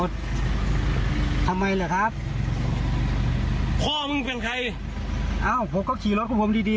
ทำไมล่ะครับพ่อมึงเป็นใครเอ้าผมก็ขี่รถของผมดีดี